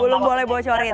belum boleh bocorin